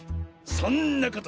そんなこと。